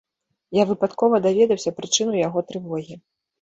Я выпадкова даведаўся прычыну яго трывогі.